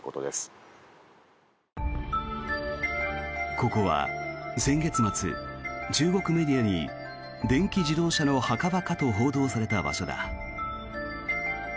ここは先月末、中国メディアに電気自動車の墓場か？と報道された場所だ。